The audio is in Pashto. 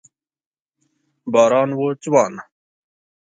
باران و ځوان